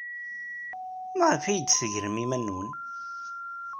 Maɣef ay d-teggarem iman-nwen?